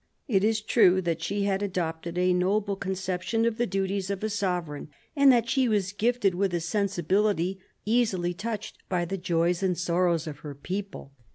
It is true that she had adopted a noble conception of the duties of a sovereign, and that she was gifted with a sensibility easily touched by the joys and sorrows of her people.